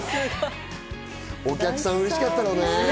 お客さん、うれしかっただろうね。